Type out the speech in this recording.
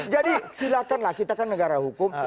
jadi silakan lah kita kan negara hukum